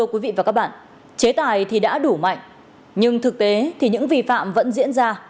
cái này thì đã đủ mạnh nhưng thực tế thì những vi phạm vẫn diễn ra